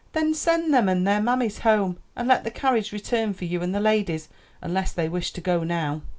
"Then send them and their mammies home, and let the carriage return for you and the ladies; unless they wish to go now."